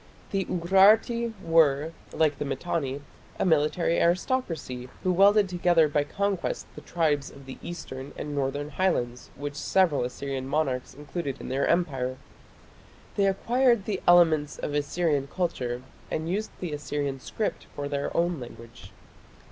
The Urarti were, like the Mitanni, a military aristocracy who welded together by conquest the tribes of the eastern and northern Highlands which several Assyrian monarchs included in their Empire. They acquired the elements of Assyrian culture, and used the Assyrian script for their own language.